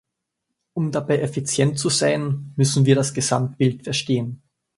Um dabei effizient zu sein, müssen wir das Gesamtbild verstehen.